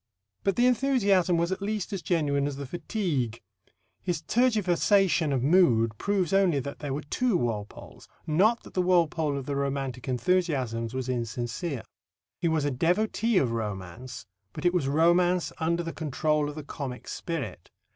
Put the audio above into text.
But the enthusiasm was at least as genuine as the fatigue. His tergiversation of mood proves only that there were two Walpoles, not that the Walpole of the romantic enthusiasms was insincere. He was a devotee of romance, but it was romance under the control of the comic spirit.